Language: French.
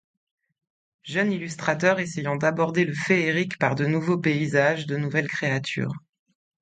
Jeune illustrateur essayant d'aborder le féérique par de nouveaux paysages, de nouvelles créatures.